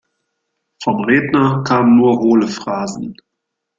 Vom Redner kamen nur hohle Phrasen.